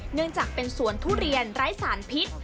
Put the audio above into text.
เนื่องจากเป็นสวนทุเรียนไร้สารพิษ